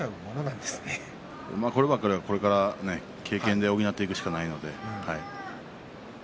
こればかりは、これから経験で補っていくしかないので。